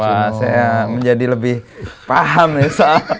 wah saya menjadi lebih paham nih soal